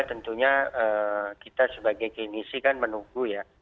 tentunya kita sebagai klinisi kan menunggu ya